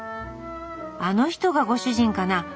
あの人がご主人かな。